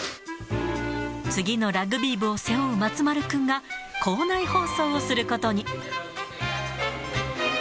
次のラグビー部を背負う松丸君が、校内放送をすることに。